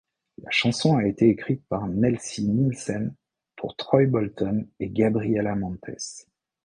La chanson a été écrite par Kelsi Nielsen pour Troy Bolton et Gabriella Montez.